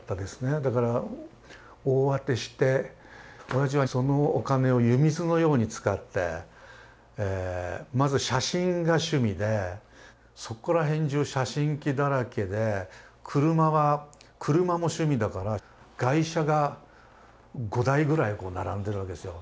だから大当てしておやじはそのお金を湯水のように使ってまず写真が趣味でそこら辺じゅう写真機だらけで車は車も趣味だから外車が５台ぐらい並んでるわけですよ。